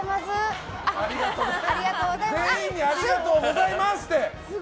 全員にありがとうございますって。